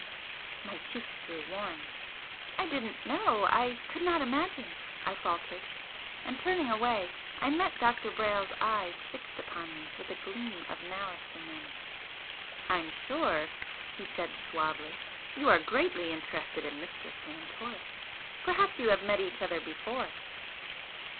My cheeks grew warm. "I didn't know I could not imagine " I faltered, and turning away I met Dr. Brayle's eyes fixed upon me with a gleam of malice in them. "I'm sure," he said, suavely, "you are greatly interested in Mr. Santoris! Perhaps you have met each other before?"